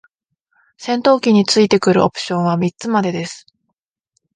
戦闘機に付いてくるオプションは三つまでです。